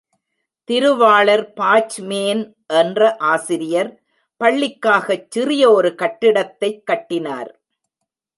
திருவாளர் பாச்மேன் என்ற ஆசிரியர் பள்ளிக்காகச் சிறிய ஒரு கட்டிடத்தைக் கட்டினார்.